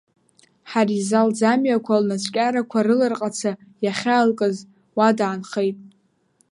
Ҳариза лӡамҩақәа лнацәкьарақәа рыларҟаца иахьаалкыз уа даанхеит…